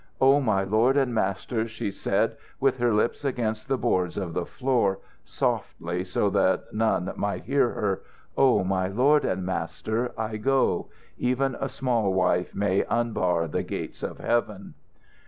"O my Lord and Master," she said, with her lips against the boards of the floor, softly, so that none might hear her "O my Lord and Master, I go. Even a small wife may unbar the gates of heaven."